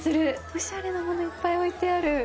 オシャレなものいっぱい置いてある。